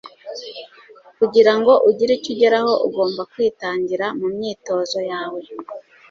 Kugira ngo ugire icyo ugeraho, ugomba kwitangira mu myitozo yawe,